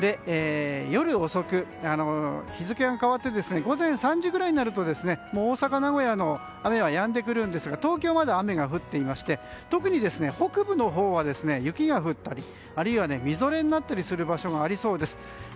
夜遅く、日付が変わって午前３時ぐらいになると大阪、名古屋の雨はやんでくるんですが東京はまだ雨が降っていまして特に、北部のほうは雪が降ったり、あるいはみぞれになったりする場所もありそうです。